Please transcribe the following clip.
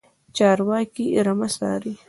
چرواکی رمه څاري.